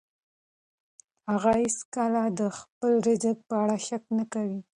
هغه هیڅکله د خپل رزق په اړه شک نه کاوه.